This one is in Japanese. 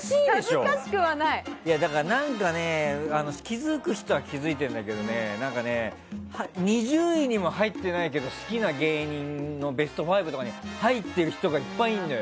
だから、気づく人は気づいているんだけど２０位にも入ってないけど好きな芸人のベスト５とかに入っている人はいっぱいいるのよ。